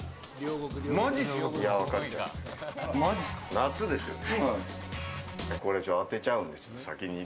夏ですよね？